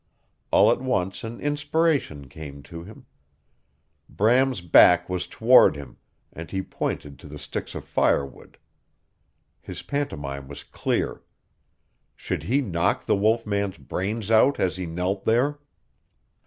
All at once an inspiration came to him. Bram's back was toward him, and he pointed to the sticks of firewood. His pantomime was clear. Should he knock the wolf man's brains out as he knelt there?